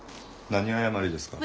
何謝りですか？